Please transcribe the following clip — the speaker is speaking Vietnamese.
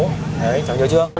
đấy cháu nhớ chưa